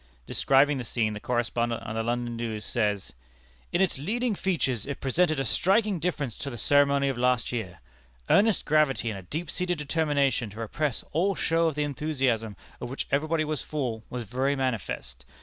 Describing the scene, the correspondent of the London News says: "In its leading features it presented a striking difference to the ceremony of last year. Earnest gravity and a deep seated determination to repress all show of the enthusiasm of which everybody was full, was very manifest.